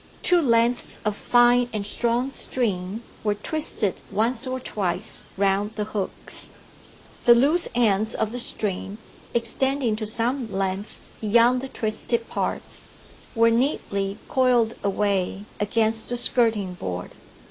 Two lengths of fine and strong string were twisted once or twice round the hooks. The loose ends of the string extending to some length beyond the twisted parts, were neatly coiled away against the skirting board.